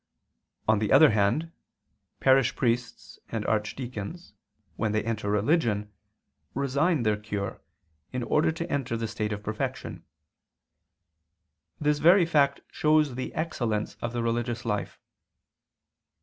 On the other hand, parish priests and archdeacons, when they enter religion, resign their cure, in order to enter the state of perfection. This very fact shows the excellence of the religious life.